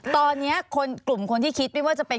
ตอนนี้คนกลุ่มคนที่คิดไม่ว่าจะเป็น